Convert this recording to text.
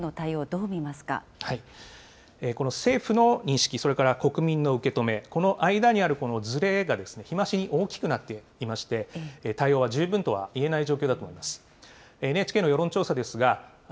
ここまでの政府の対応、どう見まこの政府の認識、それから国民の受け止め、この間にあるずれが日増しに大きくなっていまして、対応が十分とはいえない状況だと思います。